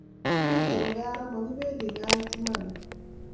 Kimiten kaa raa mokibendi kait iman any